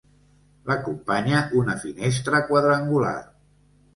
L'acompanya una finestra quadrangular.